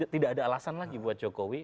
tidak ada alasan lagi buat jokowi